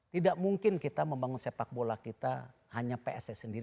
tidak mungkin kita membangun sepak bola kita hanya pss sendiri